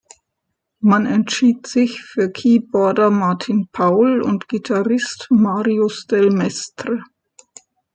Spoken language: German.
Man entschied sich für Keyboarder Martin Paul und Gitarrist Marius del Mestre.